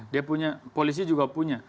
dia punya polisi juga punya